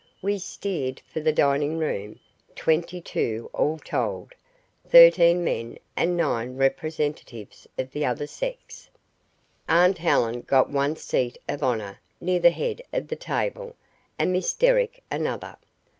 We steered for the dining room twenty two all told thirteen men and nine representatives of the other sex. Aunt Helen got one seat of honour near the head of the table and Miss Derrick another.